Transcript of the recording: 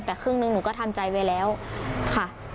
แต่ครึ่งหนึ่งหนูก็ทำใจไว้แล้วค่ะ